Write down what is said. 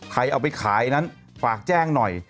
เอาไปขายนั้นฝากแจ้งหน่อย